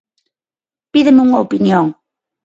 Pídeme unha opinión.